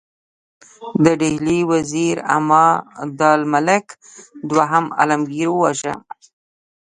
د ډهلي وزیر عمادالملک دوهم عالمګیر وواژه.